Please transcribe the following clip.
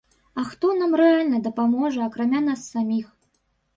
А хто нам рэальна дапаможа, акрамя нас саміх?!